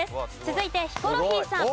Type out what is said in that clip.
続いてヒコロヒーさん。